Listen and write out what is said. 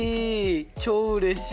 超うれしい。